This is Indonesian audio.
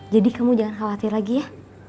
jadi kamu jangan khawatir lagi ya